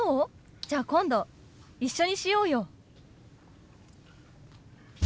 じゃ今度一緒にしようよ。